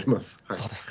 そうですか。